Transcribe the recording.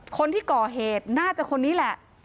คนที่ก่อเหตุน่าจะคนนี้แหละ